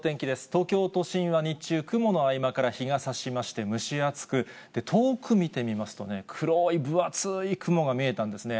東京都心は日中、雲の合間から日がさしまして、蒸し暑く、遠く見てみますとね、黒い分厚い雲が見えたんですね。